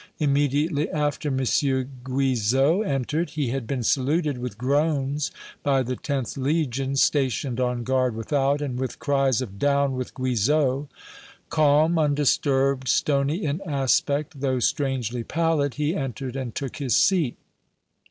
Immediately after, M. Guizot entered. He had been saluted with groans by the 10th Legion, stationed on guard without, and with cries of 'Down with Guizot!' Calm, undisturbed, stony in aspect, though strangely pallid, he entered and took his seat.